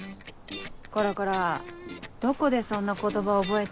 こらこらどこでそんな言葉覚えた？